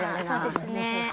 ◆そうですねー。